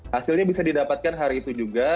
hasilnya bisa didapatkan hari itu juga